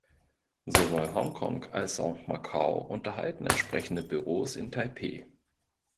Sowohl Hongkong als auch Macau unterhalten entsprechende Büros in Taipeh.